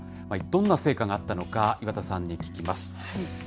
どんな成果があったのか、岩田さんに聞きます。